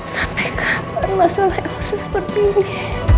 sampai kapan masa lekose seperti ini